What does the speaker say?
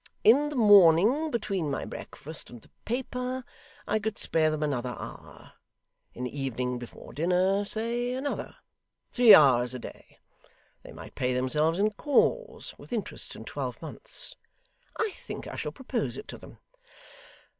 In the morning, between my breakfast and the paper, I could spare them another hour; in the evening before dinner say another. Three hours a day. They might pay themselves in calls, with interest, in twelve months. I think I shall propose it to them.